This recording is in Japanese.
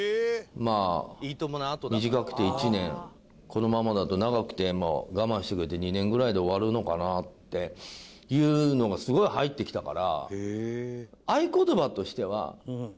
まあ短くて１年このままだと長くても我慢してくれて２年ぐらいで終わるのかなっていうのがすごい入ってきたから。